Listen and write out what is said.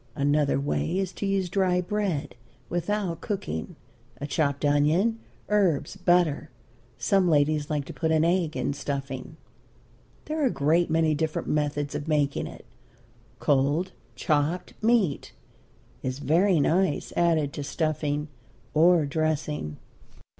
Another way is to use dry bread without cooking, a chopped onion, herbs, butter; some ladies like to put an egg in stuffing. There are a great many different methods of making it. Cold, chopped meat is very nice added to stuffing or dressing.